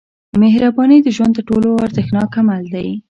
• مهرباني د ژوند تر ټولو ارزښتناک عمل دی.